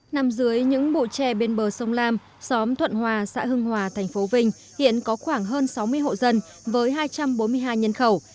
nằm dưới những bụi tre bên bờ sông lam xóm thuận hòa xã hưng hòa thành phố vinh hiện có khoảng hơn sáu mươi hộ dân với hai trăm bốn mươi hai nhân khẩu